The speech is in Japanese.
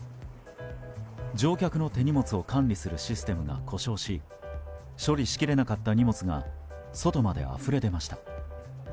乗客の手荷物を管理するシステムが故障し処理しきれなかった荷物が外まであふれ出ました。